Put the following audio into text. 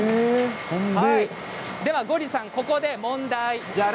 ではゴリさん、ここで問題。